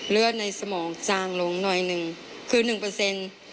เลือดในสมองจางลงหน่อยหนึ่งคือ๑